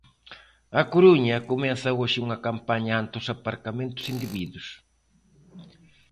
A Coruña comeza hoxe unha campaña ante os aparcamentos indebidos.